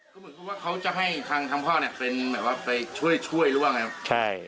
ก็เหมือนกับว่าเขาจะให้ทางทำพ่อเนี่ยเป็นแบบว่าไปช่วยช่วยหรือว่าไงใช่